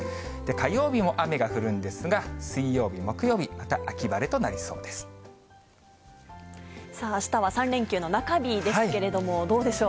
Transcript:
火曜日も雨が降るんですが、水曜日、木曜日、また秋晴れとなさあ、あしたは３連休の中日ですけれども、どうでしょう。